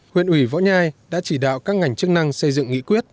huyện ủy võ nhai đã chỉ đạo các ngành chức năng xây dựng nghị quyết